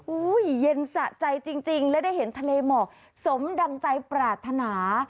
เย็นสะใจจริงและได้เห็นทะเลหมอกสมดังใจปรารถนา